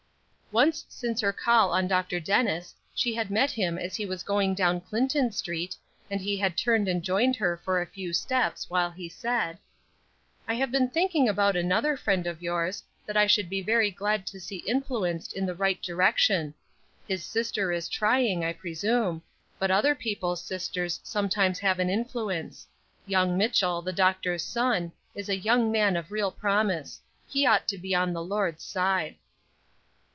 Once since her call on Dr. Dennis she had met him as he was going down Clinton Street, and he had turned and joined her for a few steps, while he said: "I have been thinking about another friend of yours, that I should be very glad to see influenced in the right direction. His sister is trying, I presume; but other people's sisters some times have an influence. Young Mitchell, the doctor's son, is a young man of real promise; he ought to be on the Lord's side."